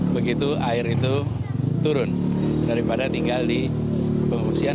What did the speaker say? begitu air itu turun daripada tinggal di pengungsian